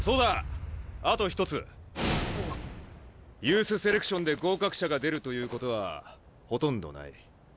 ユースセレクションで合格者が出るということはほとんどない。